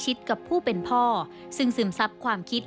ชิดกับผู้เป็นพ่อซึ่งสึมทรัพย์ความคิด